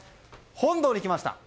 本堂に来ました。